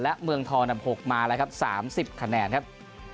และเมืองทอดับหกมาแล้วครับสามสิบคะแนนครับ